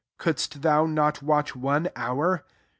couldst thou not watch one hour